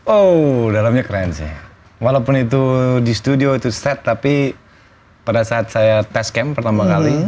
oh dalamnya keren sih walaupun itu di studio itu set tapi pada saat saya test camp pertama kali